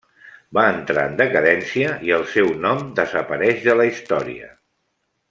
Va entrar en decadència i el seu nom desapareix de la història.